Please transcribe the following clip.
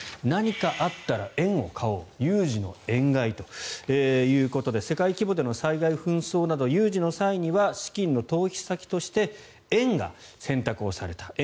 何かあったら円を買おう有事の円買いということで世界規模での災害紛争など有事の際には資金の逃避先として円が選択された。